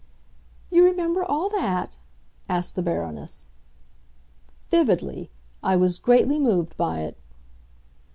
"You remember all that?" asked the Baroness. "Vividly! I was greatly moved by it."